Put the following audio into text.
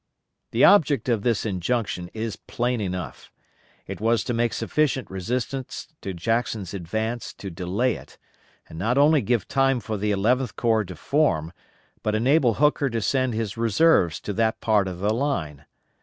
_ The object of this injunction is plain enough. It was to make sufficient resistance to Jackson's advance to delay it, and not only give time for the Eleventh Corps to form, but enable Hooker to send his reserves to that part of the line.